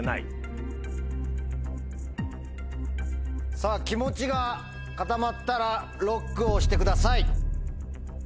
さぁ気持ちが固まったらＬＯＣＫを押してください。